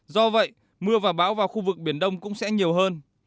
do vậy mưa và bão vào khu vực biển đông cũng sẽ nhiều hơn